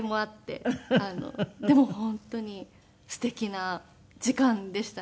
でも本当にすてきな時間でしたね。